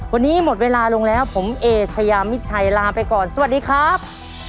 วันนี้หมดเวลาลงแล้วผมเอเชยามิดชัยลาไปก่อนสวัสดีครับ